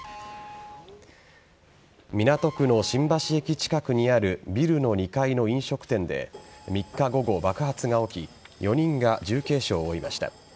港区の新橋駅近くにあるビルの２階の飲食店で３日午後、爆発が起き４人が重軽傷を負いました。